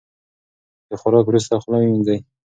د خوراک وروسته خوله ومینځئ.